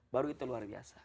baru itu luar biasa